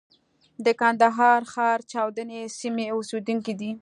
د کندهار ښار چاوڼۍ سیمې اوسېدونکی دی.